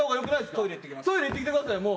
トイレ行ってきてくださいもう。